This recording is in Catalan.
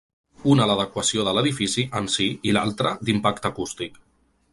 Una l’adequació de l’edifici en sí i l’altre d’impacte acústic.